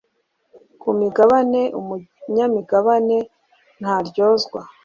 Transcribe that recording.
ku migabane umunyamigabane ntaryozwa